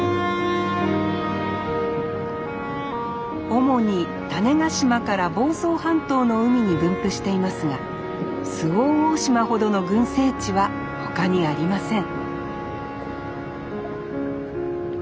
主に種子島から房総半島の海に分布していますが周防大島ほどの群生地は他にありません